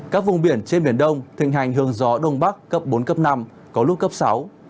các vùng biển trên biển đông thịnh hành hướng gió đông bắc cấp bốn cấp năm có lúc cấp sáu